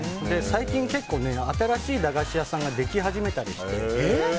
最近、結構新しい駄菓子屋さんができ始めたりして。